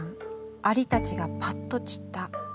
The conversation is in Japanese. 蟻たちがパッと散った。